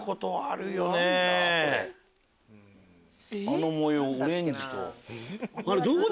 あの模様オレンジ。